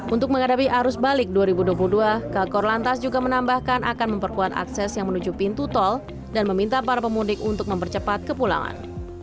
untuk menghadapi arus balik dua ribu dua puluh dua kakor lantas juga menambahkan akan memperkuat akses yang menuju pintu tol dan meminta para pemudik untuk mempercepat kepulangan